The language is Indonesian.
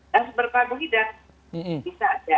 nah superkarbohidrat bisa ada